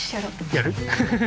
やる？